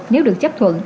nếu được chấp thuận